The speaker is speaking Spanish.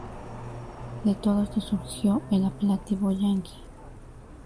De todo esto surgió el apelativo "Yankee".